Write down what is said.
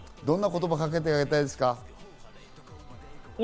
どんな言葉をかけてあげたいですか？